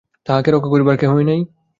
তাহাকে রক্ষা করিবার কেহই নাই?